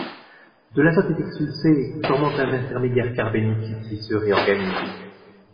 De l'azote est expulsé formant un intermédiaire carbénique qui se réorganise.